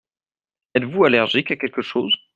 Êtes-vous allergique à quelque chose ?